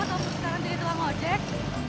kamu sekarang jadi doang ojek